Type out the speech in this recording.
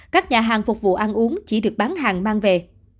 các nhà hàng phục vụ ăn uống chỉ được bán hàng mang về